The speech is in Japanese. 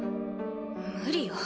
無理よ